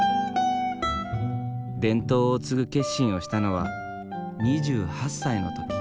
伝統を継ぐ決心をしたのは２８歳の時。